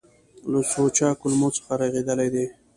له سوچه کلمو څخه رغېدلي دي.